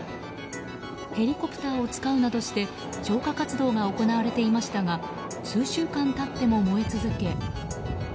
ヘリコプターを使うなどして消火活動が行われていましたが数週間経っても燃え続け。